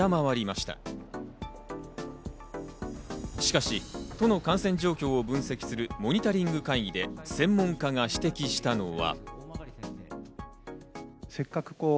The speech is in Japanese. しかし都の感染状況を分析するモニタリング会議で専門家が指摘したのは。